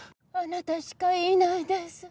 あなたしかいないんです。